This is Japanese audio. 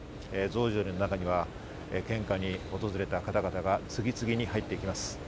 増上寺の中には献花に訪れた方々が次々に入っていきます。